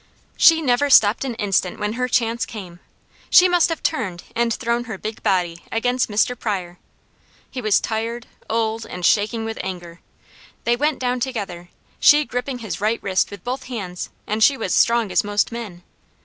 She never stopped an instant when her chance came. She must have turned, and thrown her big body against Mr. Pryor. He was tired, old, and shaking with anger. They went down together, she gripping his right wrist with both hands, and she was strong as most men.